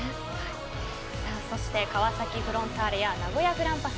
そして川崎フロンターレや名古屋グランパス